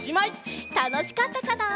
たのしかったかな？